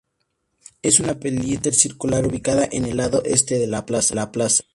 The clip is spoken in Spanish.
Es una pileta circular, ubicado en el lado este de la plaza.